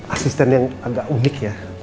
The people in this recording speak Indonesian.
asisten yang agak unik ya